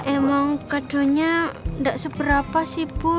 emang kadonya enggak seberapa sih bu